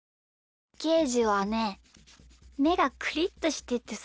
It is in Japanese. ゲージはねめがクリッとしててさ。